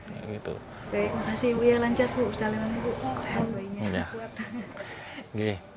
terima kasih lancar bu salam baik baik